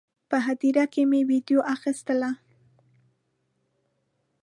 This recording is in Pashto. په هدیره کې مې ویډیو اخیستله.